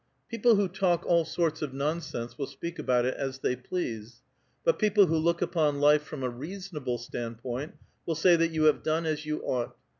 " People who talk all sorts of nonsense will speak about it as they please ; but peoi)le who look upon life from a reason able standpoint will say that j'ou have done as 30U ought.